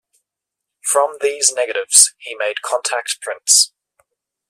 From these negatives, he made contact prints.